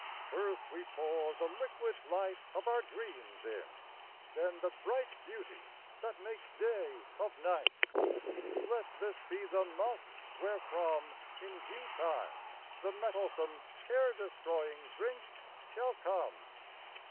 First we pour the liquid light Of our dreams in; then the bright Beauty that makes day of night. Let this be the must wherefrom, In due time, the mettlesome Care destroying drink shall come.